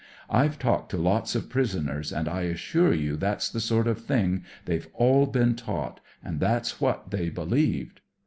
I've talked to lots of prisoners, and I assure you that's the sort of thing they've all been taught, and that's what they beheved.